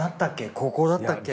高校だったっけ？